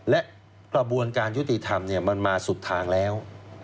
และกระบวนการยุติธรรมมันมาสุดทางแล้ว